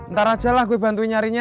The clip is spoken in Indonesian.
ntar ajalah gue bantuin nyarinya